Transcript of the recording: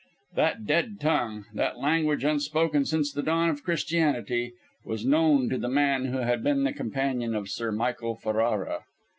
That dead tongue, that language unspoken since the dawn of Christianity, was known to the man who had been the companion of Sir Michael Ferrara.